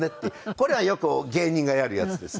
これはよく芸人がやるやつですね。